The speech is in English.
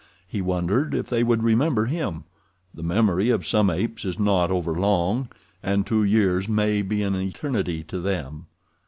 He wondered if they would remember him—the memory of some apes is not overlong, and two years may be an eternity to them.